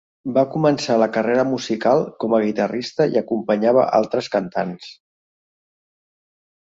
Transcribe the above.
Va començar la carrera musical com a guitarrista i acompanyava altres cantants.